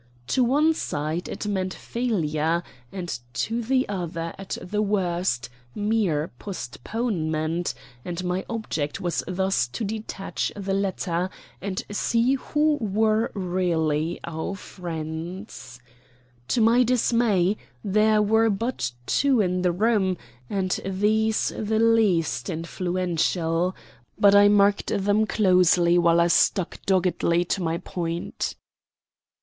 To the one side it meant failure, and to the other, at the worst, mere postponement; and my object was thus to detach the latter and see who were really our friends. To my dismay there were but two in the room, and these the least influential; but I marked them closely while I stuck doggedly to my point.